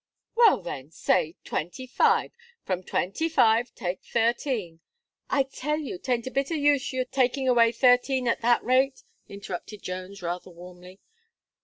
"Well, then, say twenty five; from twenty five take thirteen " "I tell you, 'tain't a bit of use your taking away thirteen at that rate," interrupted Jones, rather warmly.